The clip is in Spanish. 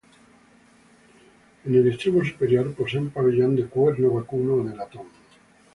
En el extremo superior posee un pabellón de cuerno vacuno o de latón.